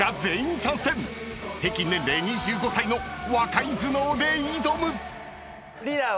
［平均年齢２５歳の若い頭脳で挑む！］